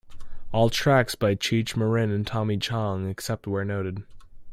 All tracks by Cheech Marin and Tommy Chong, except where noted.